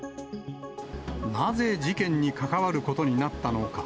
なぜ事件に関わることになったのか。